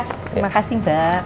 terima kasih mbak